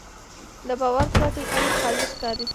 له باور پرته ژوند خالي ښکاري.